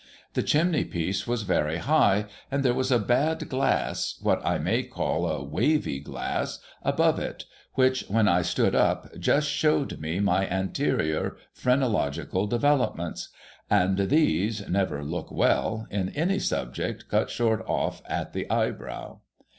The chimney piece was very high, and there was a bad glass — what I may call a wavy glass — above it, which, when I stood up, just showed me my anterior phrenological developments, — and these never look well, in any subject, cut short oft^ at the eyebrow.